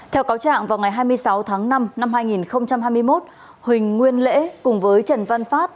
theo cáo trạng vào ngày hai mươi sáu tháng năm năm hai nghìn hai mươi một huỳnh nguyên lễ cùng với trần văn phát